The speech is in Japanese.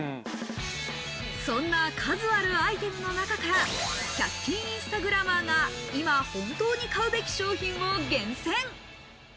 そんな数あるアイテムの中から１００均インスタグラマーが今、本当に買うべき商品を厳選。